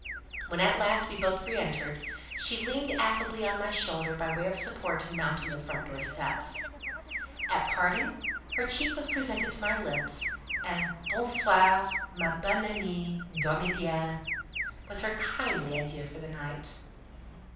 When at last we both re entered, she leaned affably on my shoulder by way of support in mounting the front door steps; at parting, her cheek was presented to my lips, and "Bon soir, my bonne amie; dormez bien!" was her kindly adieu for the night.